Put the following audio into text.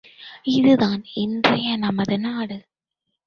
இதுதான் இன்றைய நமது நாடு.